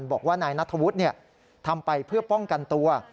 บอกว่านายนัทธวุฒิทำไปเพื่อป้องกันตัว